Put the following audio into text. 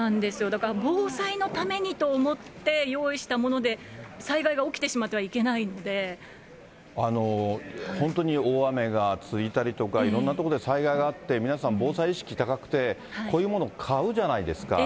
だから、防災のためにと思って用意したもので災害が起きてしまってはいけ本当に大雨が続いたりとか、いろんなとこで災害があって、皆さん、防災意識高くて、こういうものを買うじゃないですか。